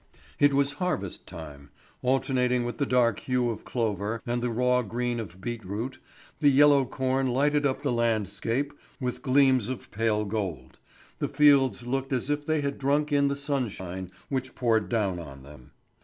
It was harvest time. Alternating with the dark hue of clover and the raw green of beet root, the yellow corn lighted up the landscape with gleams of pale gold; the fields looked as if they had drunk in the sunshine which poured down on them.